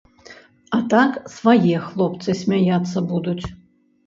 А так свае хлопцы смяяцца будуць.